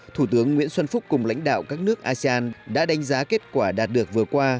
thủ tướng nguyễn xuân phúc cùng lãnh đạo các nước asean đã đánh giá kết quả đạt được vừa qua